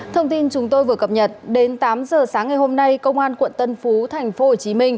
thông tin chúng tôi vừa cập nhật đến tám giờ sáng ngày hôm nay công an quận tân phú tp hcm